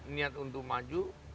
niat untuk maju